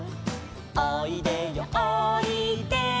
「おいでよおいで」